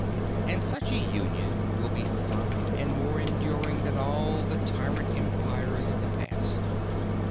And such a union will be firmer and more enduring than all the tyrant empires of the past.